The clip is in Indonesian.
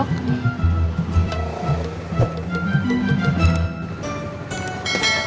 sampai jumpa di video selanjutnya